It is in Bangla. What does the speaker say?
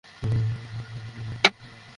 পুরো আদালত আমাদের লোক দিয়ে ভরা থাকবে।